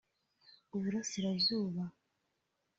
Uburasirazuba